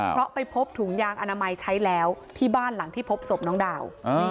เพราะไปพบถุงยางอนามัยใช้แล้วที่บ้านหลังที่พบศพน้องดาว